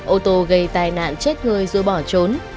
ô tô gây tai nạn chết người rồi bỏ trốn